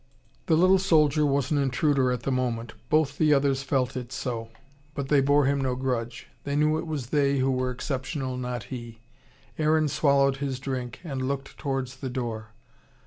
The little soldier was an intruder at the moment. Both the others felt it so. But they bore him no grudge. They knew it was they who were exceptional, not he. Aaron swallowed his drink, and looked towards the door.